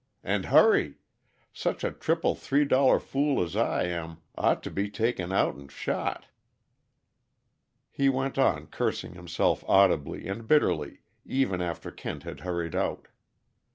And hurry! Such a triple three star fool as I am ought to be taken out and shot." He went on cursing himself audibly and bitterly, even after Kent had hurried out.